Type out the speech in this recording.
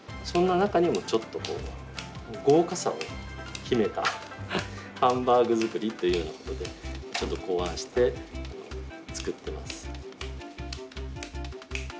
そんな中にもちょっとこう豪華さを秘めたハンバーグ作りというようなことでちょっと考案して作ってます。